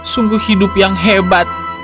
sungguh hidup yang hebat